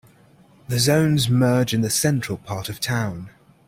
The zones merge in the central part of town.